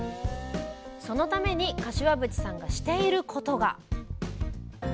そのために柏淵さんがしていることが！